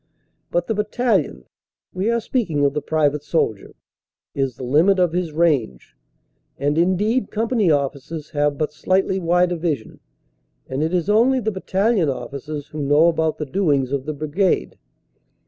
But the battalion we are speaking of the private soldier is the limit of his range. And, indeed, company officers have but slightly wider vision, and it is only the battalion officers who know about the doings of the brigade.